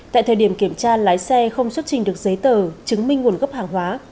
tại thời điểm kiểm tra lái xe không xuất trình được giấy tờ chứng minh nguồn gốc hàng hóa